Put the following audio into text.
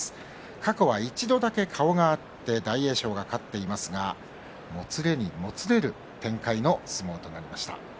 過去は一度だけ顔が合って大栄翔が勝っていますがもつれにもつれる展開の相撲となりました。